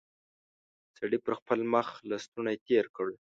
سړي پر خپل مخ لستوڼی تېر کړ.